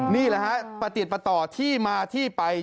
นี่แหละฮะประติดประต่อที่มาที่ไป